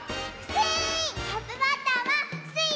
スイ！